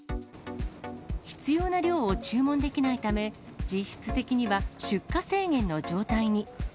必要な量を注文できないため、実質的には出荷制限の状態に。